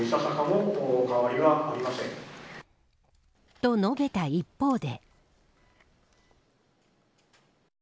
と、述べた一方で。